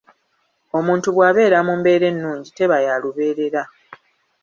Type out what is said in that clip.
Omuntu bw'abeera mu mbeera ennungi teba ya lubeerera.